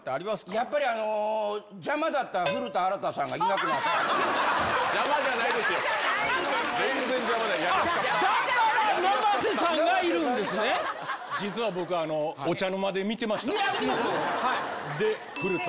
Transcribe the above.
やっぱり邪魔だった古田新太さんがいなくなった。